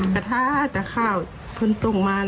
แม่สิทธิ์คือบุญคุณแล้ว